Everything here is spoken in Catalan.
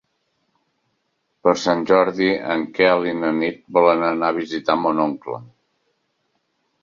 Per Sant Jordi en Quel i na Nit volen anar a visitar mon oncle.